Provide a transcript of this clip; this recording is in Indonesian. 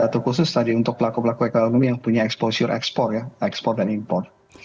terkhusus tadi untuk pelaku pelaku ekonomi yang punya exposure ekspor ya ekspor dan impor